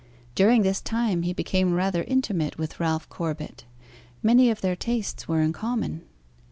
During this time he became rather intimate with Ralph Corbet; many of their tastes were in common.